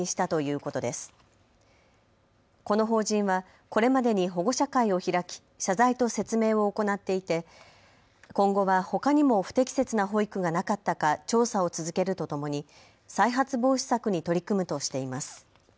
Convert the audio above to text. この法人はこれまでに保護者会を開き、謝罪と説明を行っていて今後はほかにも不適切な保育がなかったか調査を続けるとともに再発防止策に取り組むとしています。